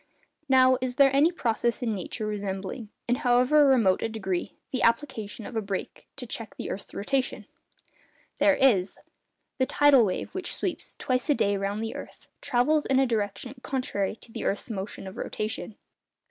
Now, is there any process in nature resembling, in however remote a degree, the application of a brake to check the earth's rotation? There is. The tidal wave, which sweeps, twice a day, round the earth, travels in a direction contrary to the earth's motion of rotation.